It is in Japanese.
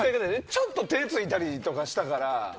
ちょっと手をついたりしたから。